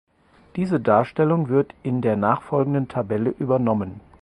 Diese Darstellung wird in der nachfolgenden Tabelle übernommen.